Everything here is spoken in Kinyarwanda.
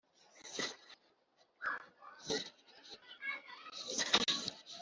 Wima igihugu amaraso, imbwa zikayanwera ubuntu.